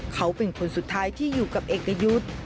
เขาเป็นคนสุดท้ายที่อยู่กับเอกยุทธ์